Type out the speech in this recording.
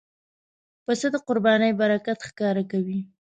پسه د قربانۍ برکت ښکاره کوي.